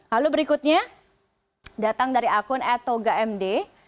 lalu berikutnya datang dari akun ad toga md